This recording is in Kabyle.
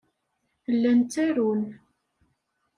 Llan ttarun.